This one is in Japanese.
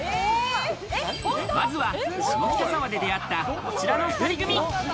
まずは下北沢で出会ったこちらの２人組。